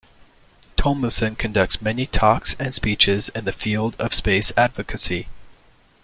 Tumlinson conducts many talks and speeches in the field of space advocacy.